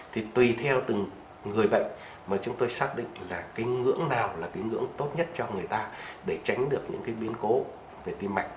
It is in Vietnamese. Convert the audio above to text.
thì tùy theo từng người bệnh mà chúng tôi xác định là cái ngưỡng nào là cái ngưỡng tốt nhất cho người ta để tránh được những cái biến cố về tim mạch